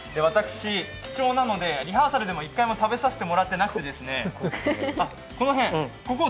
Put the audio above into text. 貴重なので私、リハーサルでも１回も食べさせてもらってなくて。